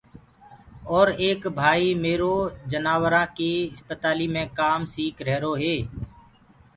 اور ايڪ ڀائيٚ ميرو جناورآنٚ ڪيٚ اِسپتاليٚ مي ڪآم سيٚک ريهرو هي۔